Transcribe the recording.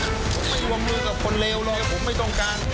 ผมไม่วงมือกับคนเลวเลยผมไม่ต้องการ